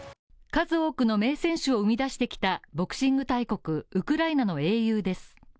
数多くの名選手を生み出してきたボクシング大国、ウクライナの英雄です。